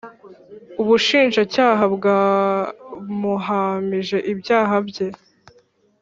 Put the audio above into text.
Ubushinjacyaha bwamuhamije ibyaha bye